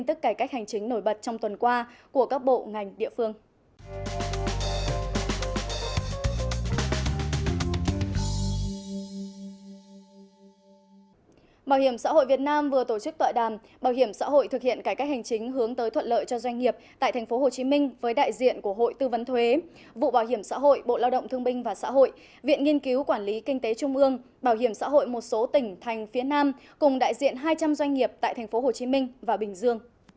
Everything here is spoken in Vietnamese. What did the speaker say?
tại buổi tọa đàm vừa tổ chức tọa đàm bảo hiểm xã hội thực hiện cải cách hành chính hướng tới thuận lợi cho doanh nghiệp tại tp hcm với đại diện của hội tư vấn thuế vụ bảo hiểm xã hội bộ lao động thương binh và xã hội viện nghiên cứu quản lý kinh tế trung ương bảo hiểm xã hội một số tỉnh thành phía nam cùng đại diện hai trăm linh doanh nghiệp tại tp hcm và bình dương